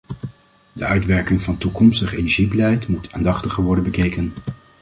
De uitwerking van toekomstig energiebeleid moet aandachtiger worden bekeken.